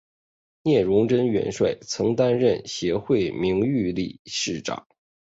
聂荣臻元帅曾担任协会名誉理事长。